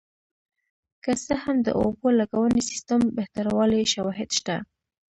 که څه هم د اوبو لګونې سیستم بهتروالی شواهد شته